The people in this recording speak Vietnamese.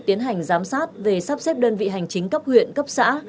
tiến hành giám sát về sắp xếp đơn vị hành chính cấp huyện cấp xã